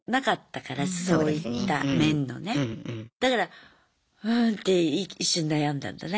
だからうんって一瞬悩んだんだね。